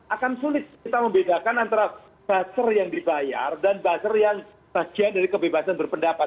akan sulit kita membedakan antara buzzer yang dibayar dan buzzer yang bagian dari kebebasan berpendapat